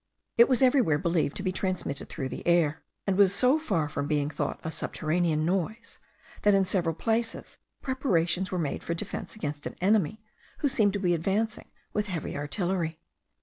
It was everywhere believed to be transmitted through the air; and was so far from being thought a subterranean noise, that in several places, preparations were made for defence against an enemy, who seemed to be advancing with heavy artillery.